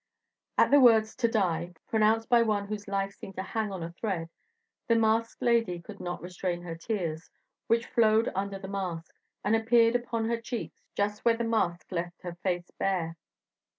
At the words "to die," pronounced by one whose life seemed to hang on a thread, the masked lady could not restrain her tears, which flowed under the mask, and appeared upon her cheeks just where the mask left her face bare.